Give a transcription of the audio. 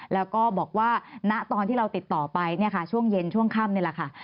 แล้วก็บอกว่าณตอนที่เราติดต่อไปช่วงเย็นช่วงค่ำนี่แหละ